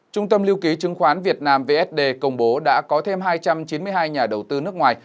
trung tâm lưu ký chứng khoán việt nam vsd công bố đã có thêm hai trăm chín mươi hai nhà đầu tư nước ngoài